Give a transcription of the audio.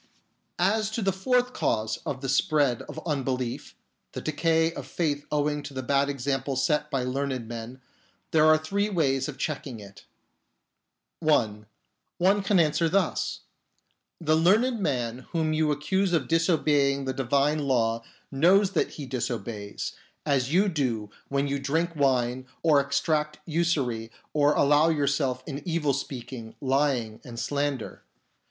As to the fourth cause of the spread of unbelief — the decay of faith owing to the bad example set by learned men — there are three ways of checking it. (1) One can answer thus :" The learned man whom you accuse of disobeying the divine law knows that he disobeys, as you do when you drink wine or exact usury or allow yourself in evil speaking, lying, and slander.